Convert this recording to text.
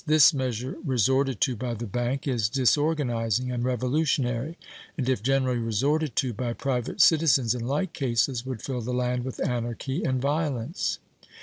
This measure resorted to by the bank is disorganizing and revolutionary, and if generally resorted to by private citizens in like cases would fill the land with anarchy and violence.